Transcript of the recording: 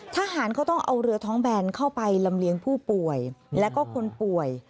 ทหารก็ต้องเอาเรือท้องแบนเข้าไปลำเลียงผู้ป่วยแล้วก็คนป่วย